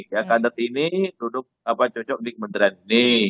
ya kadet ini cocok di kementerian ini